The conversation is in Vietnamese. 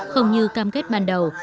không như cam kết ban đầu